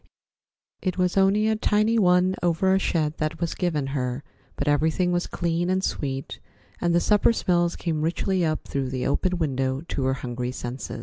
It was only a tiny one over a shed that was given her, but everything was clean and sweet, and the supper smells came richly up through the open window to her hungry senses.